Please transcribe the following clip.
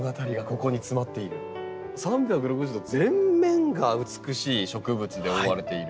３６０度全面が美しい植物で覆われている。